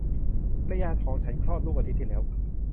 ภรรยาของฉันคลอดลูกอาทิตย์ที่แล้ว